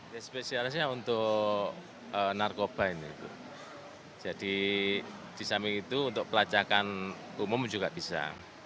ya spesialisnya untuk narkoba ini jadi di samping itu untuk pelacakan umum juga bisa